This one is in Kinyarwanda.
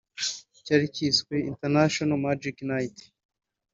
cyari cyiswe International Magic Night